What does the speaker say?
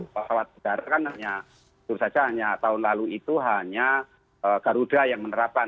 pada saat berdarat kan hanya justru saja tahun lalu itu hanya garuda yang menerapkan